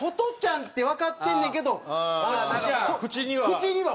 口には。